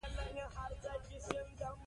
شرکتونه باید خپلې ونډې بازار ته وړاندې کړي.